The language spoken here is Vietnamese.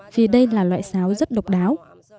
vì đây là loại sáo rất độc đáo